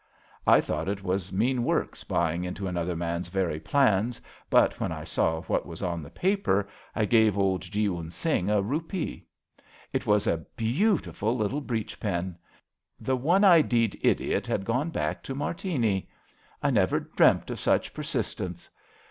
I thought it was mean work spying into another man's very plans, but when I saw what was on the paper I gave old Jeewun Singh a rupee. It was a be autiful little breech pin. The one idead idiot had gone back to HIS BROTHER'S KEEPER 125 Martini I I never dreamt of such persistence.